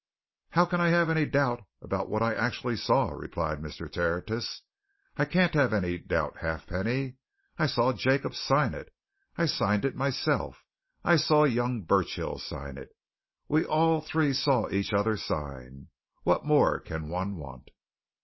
"How can I have any doubt about what I actually saw?" replied Mr. Tertius. "I can't have any doubt, Halfpenny! I saw Jacob sign it; I signed it myself; I saw young Burchill sign it; we all three saw each other sign. What more can one want?"